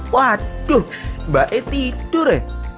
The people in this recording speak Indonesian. waduh mbaknya tidur ya